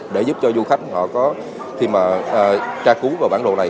để giúp cho du khách họ có khi mà tra cứu vào bản đồ này